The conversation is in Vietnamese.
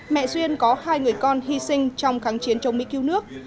mẹ duyên có hai người con hy sinh trong kháng chiến chống mỹ cứu nước